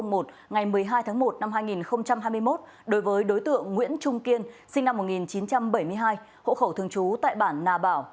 ngày một mươi hai tháng một năm hai nghìn hai mươi một đối với đối tượng nguyễn trung kiên sinh năm một nghìn chín trăm bảy mươi hai hộ khẩu thường trú tại bản nà bảo